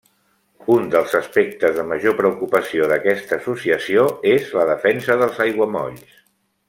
Un dels aspectes de major preocupació d'aquesta associació és la defensa dels aiguamolls.